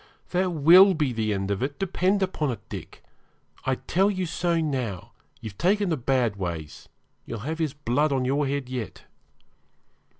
That will be the end of it, depend upon it, Dick. I tell you so now; you've taken to bad ways; you'll have his blood on your head yet.'